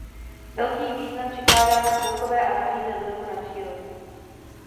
Velký význam přikládáme celkové analýze vlivu na přírodu.